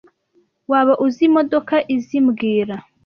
Waba uzi imodoka izoi mbwira